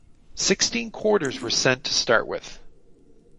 Sixteen quarters were sent to start with.